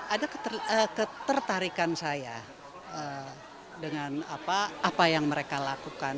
ada ketertarikan saya dengan apa yang mereka lakukan